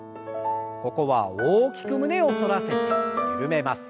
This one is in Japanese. ここは大きく胸を反らせて緩めます。